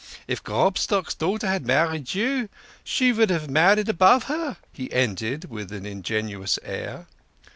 If Grobstock's daughter had married you, she vould have married above her," he ended, with an ingenuous air.